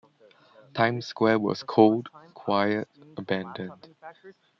Times Square was cold, quiet, abandoned.